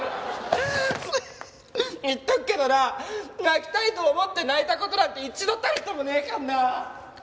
言っとくけどなあ泣きたいと思って泣いた事なんて一度たりともねえからな！